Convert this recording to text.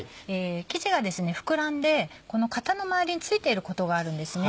生地が膨らんでこの型の回りに付いていることがあるんですね。